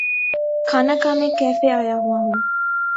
کھانا کھانے کیفے آیا ہوا ہوں۔